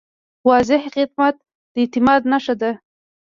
واضح خدمت د اعتماد نښه ده.